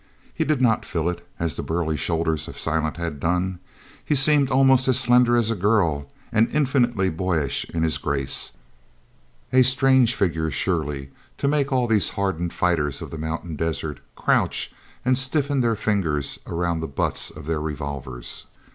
He did not fill it as the burly shoulders of Silent had done. He seemed almost as slender as a girl, and infinitely boyish in his grace a strange figure, surely, to make all these hardened fighters of the mountain desert crouch, and stiffen their fingers around the butts of their revolvers!